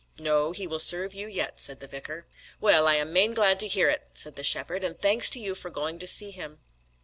"No, he will serve you yet," said the vicar. "Well, I be main glad to hear it," said the shepherd, "and thanks to you for going to see him."